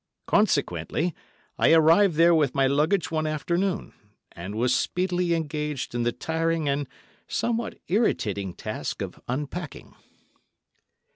Consequently, I arrived there with my luggage one afternoon, and was speedily engaged in the tiring and somewhat irritating task of unpacking.